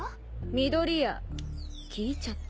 緑谷聞いちゃった。